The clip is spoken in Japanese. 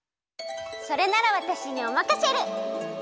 それならわたしにおまかシェル！